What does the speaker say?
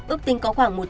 ước tình có khoảng